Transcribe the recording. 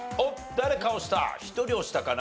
誰か押した。